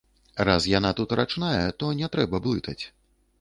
Раз яна тут рачная, то не трэба блытаць.